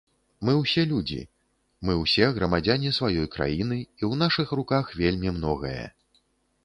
Мы ўсе людзі, мы ўсе грамадзяне сваёй краіны, і ў нашых руках вельмі многае.